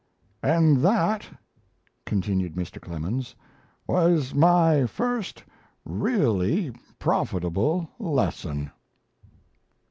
And that," continued Mr. Clemens, "was my first really profitable lesson."